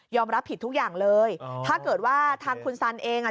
รับผิดทุกอย่างเลยถ้าเกิดว่าทางคุณสันเองอ่ะ